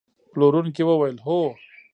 پلورونکي وویل: هو.